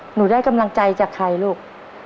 หนูได้กำลังใจจากใครลูก